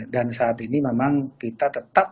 dan saat ini memang kita tetap